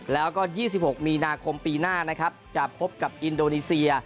แล้วก็๒๖มีนาคมปีหน้านะครับจะพบกับอินโดนีเซีย